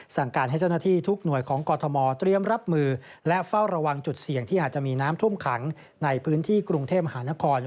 สั่งการให้เจ้าหน้าที่ทุกหน่วยของกรทมเตรียมรับมือและเฝ้าระวังจุดเสี่ยงที่อาจจะมีน้ำท่วมขังในพื้นที่กรุงเทพมหานคร